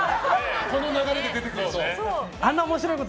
この流れで出てくると。